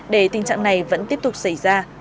để tình trạng này vẫn tiếp tục xảy ra